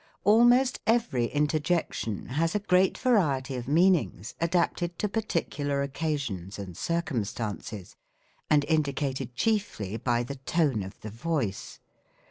Almost every interjec tion has a great variety of meanings, adapted to par ticular occasions and circumstances, and indicated chiefly by the tone of the voice.